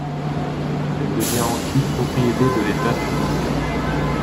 Elle devient ensuite propriété de l'État tunisien.